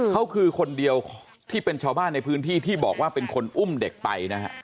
เขาคือคนเดียวที่เป็นชาวบ้านในพื้นที่ที่บอกว่าเป็นคนอุ้มเด็กไปนะฮะ